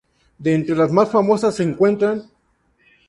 De entre las más famosas se encuentran;